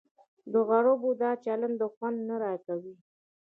د عربو دا چلند خوند نه راکوي.